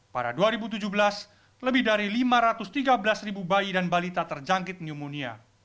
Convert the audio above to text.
pada dua ribu tujuh belas lebih dari lima ratus tiga belas bayi dan balita terjangkit pneumonia